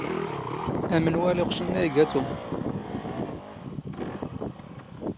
ⴰⵎⵏⵡⴰⵍ ⵉⵅⵛⵏⵏ ⴰⴷ ⵉⴳⴰ ⵜⵓⵎ.